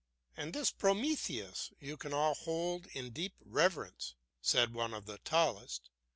"And this Prometheus you can all hold in deep reverence," said one of the tallest.